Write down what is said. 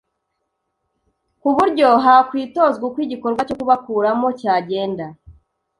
kuburyo hakwitozwa uko igikorwa cyo kubakuramo cyagenda